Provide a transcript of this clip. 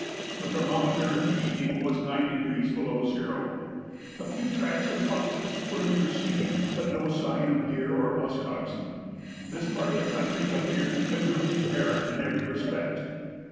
The thermometer in the evening was 9° below zero. A few tracks of foxes were here seen, but no signs of deer or musk oxen. This part of the country appeared miserably barren in every respect.